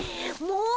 もう！